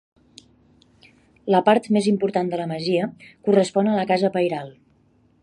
La part més important de la masia correspon a la casa pairal.